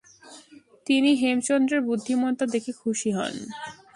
তিনি হেমচন্দ্রের বুদ্ধিমত্তা দেখে খুশি হন।